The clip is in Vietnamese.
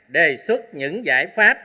đề xuất những giải pháp